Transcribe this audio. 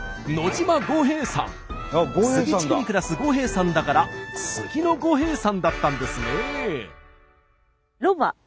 杉地区に暮らす五兵衛さんだから杉の五兵衛さんだったんですね。